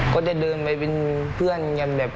เป็นคนก็กับเพื่อนมากกว่าครับ